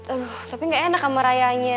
aduh tapi gak enak sama rayanya